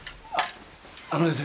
あのですね